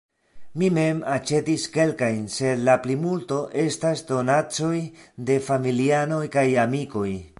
Mi mem aĉetis kelkajn, sed la plimulto estas donacoj de familianoj kaj amikoj.